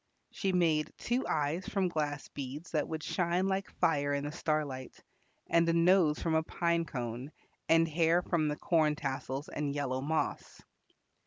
She made two eyes from glass beads that would shine like fire in the starlight, and a nose from a pine cone, and hair from the corn tassels and yellow moss.